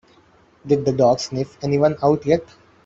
Did the dog sniff anyone out yet?